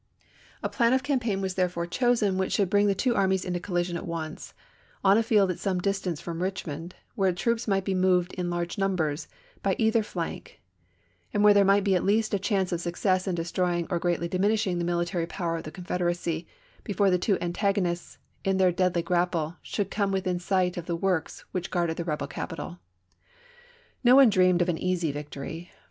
A plan of campaign was therefore chosen which should bring the two armies into collision at once, on a field at some distance from Richmond, where troops might be moved in large numbers by either flank, and where there might be at least a chance of success in destropng or gi'eatly dimin ishing the military power of the Confederacy, be fore the two antagonists, in theu" deadly grapple, should come within sight of the works which guarded the rebel capital. No one dreamed of an easy victory.